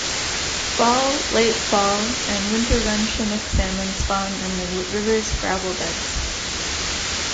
Fall-, late-fall-, and winter-run chinook salmon spawn in the river's gravel beds.